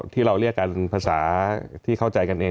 ที่เราเรียกกันภาษาที่เข้าใจกันเอง